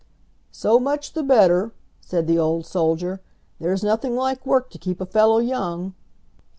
"So much the better," said the old soldier; "There's nothing like work to keep a fellow young."